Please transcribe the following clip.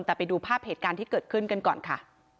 แต่ไปดูภาพเหตุการณ์ที่เกิดขึ้นกันก่อนค่ะ